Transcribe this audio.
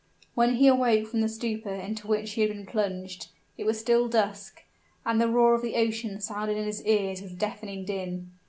When he awoke from the stupor into which he had been plunged, it was still dusk, and the roar of the ocean sounded in his ears with deafening din.